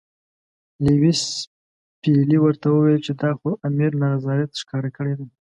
لیویس پیلي ورته وویل چې دا خو امیر نارضاییت ښکاره کړی دی.